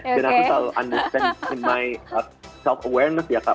dan aku selalu understand in my self awareness ya kak